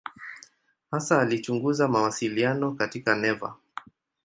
Hasa alichunguza mawasiliano katika neva.